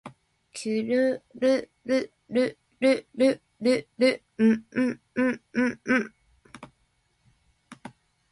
きゅるるるるるるるるんんんんんん